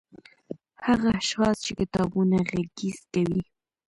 هغه اشخاص چې کتابونه غږيز کوي